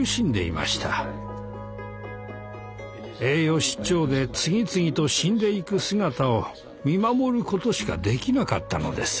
栄養失調で次々と死んでいく姿を見守ることしかできなかったのです。